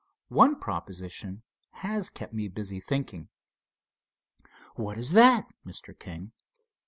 One proposition has kept me busy thinking." "What is that, Mr. King?"